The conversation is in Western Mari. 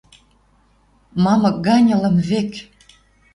мамык гань лым вӹк.